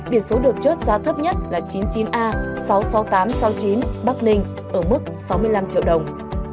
biển số được chốt giá thấp nhất là chín mươi chín a sáu mươi sáu nghìn tám trăm sáu mươi chín bắc ninh ở mức sáu mươi năm triệu đồng